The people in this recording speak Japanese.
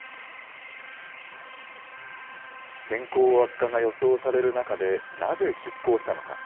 天候悪化が予想される中で、なぜ出航したのか。